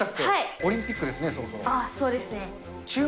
オリンピックですね、そろそろ。